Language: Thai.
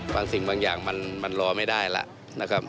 สิ่งบางอย่างมันรอไม่ได้แล้วนะครับ